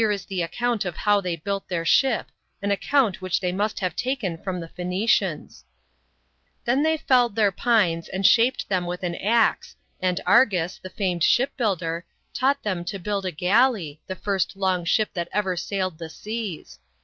is the account of how they built their ship an account which they must have taken from ^he Phoenicians :" Then they felled their pines and shaped them with an axe, and Argus, the famed shipbuilder, taught them to build a galley, the first long ship that ever sailed the seas.